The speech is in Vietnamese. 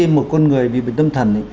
một con người bị tâm thần